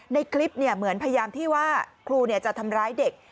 ในคลิปเหมือนพยายามที่ว่าครูจะทำร้ายเด็ก